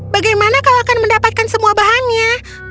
bagaimana kau akan mendapatkan semua bahannya